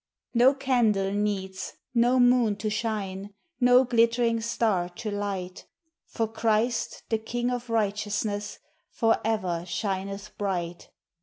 No candle needs, no moon to shine, No glittering star to light; For Christ, the king of righteousness, For ever shineth bright.